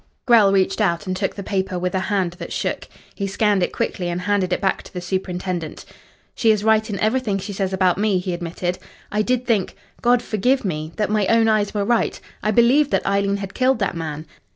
Grell reached out, and took the paper with a hand that shook. He scanned it quickly, and handed it back to the superintendent. "She is right in everything she says about me," he admitted. "I did think God forgive me! that my own eyes were right. I believed that Eileen had killed that man.